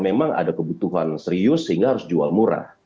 memang ada kebutuhan serius sehingga harus jual murah